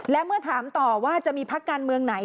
และเมื่อถามต่อว่าจะมีพักการเมืองไหน